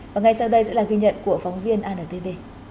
và ngay sau đây sẽ là ghi nhận của phóng viên antv